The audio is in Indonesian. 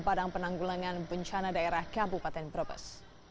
padang penanggulangan bencana daerah kabupaten brebes